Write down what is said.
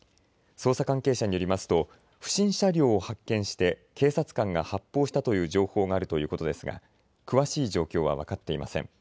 捜査関係者によりますと不審車両を発見して警察官が発砲したという情報があるということですが詳しい状況は分かっていません。